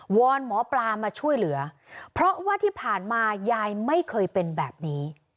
อนหมอปลามาช่วยเหลือเพราะว่าที่ผ่านมายายไม่เคยเป็นแบบนี้